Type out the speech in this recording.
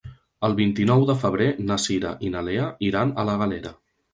El vint-i-nou de febrer na Cira i na Lea iran a la Galera.